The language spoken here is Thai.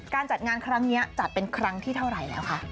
การจัดงานครั้งนี้จัดเป็นครั้งที่เท่าไหร่แล้วคะ